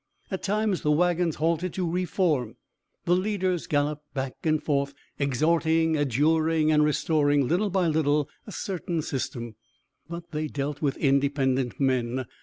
At times the wagons halted to re form. The leaders galloped back and forth, exhorting, adjuring and restoring little by little a certain system. But they dealt with independent men.